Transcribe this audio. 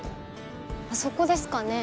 あそこですかね。